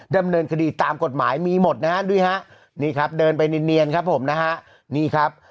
ดำเนินคดีตามกฎหมายมีหมดนะฮะด้วยฮะนี่ครับเดินไปเนียนครับผมนะฮะนี่ครับ